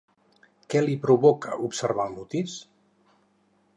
Què li provocava observar al Mutis?